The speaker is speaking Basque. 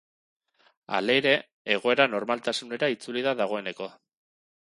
Halere, egoera normaltasunera itzuli da dagoeneko.